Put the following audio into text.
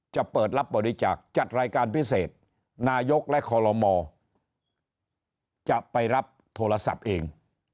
จะเปิดรับบริจาคจัดรายการพิเศษนายกและคอลโลมจะไปรับโทรศัพท์เอง